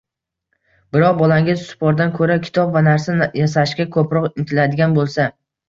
Biroq bolangiz sportdan ko‘ra kitob va narsa yasashga ko‘proq intiladigan bo‘lsa